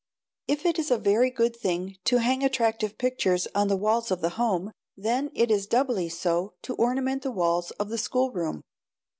If it is a very good thing to hang attractive pictures on the walls of the home, then it is doubly so thus to ornament the walls of the schoolroom.